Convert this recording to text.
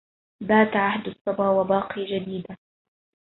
بات عهد الصبا وباقي جديده